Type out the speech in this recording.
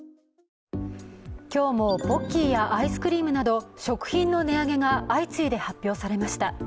今日もポッキーやアイスクリームなど食品の値上げが相次いで発表されました。